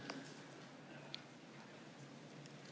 เนี่ย